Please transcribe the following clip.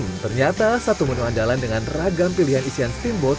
hmm ternyata satu menu andalan dengan ragam pilihan isian steamboat